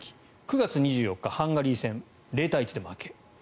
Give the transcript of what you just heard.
９月２４日、ハンガリー戦０対１で負け。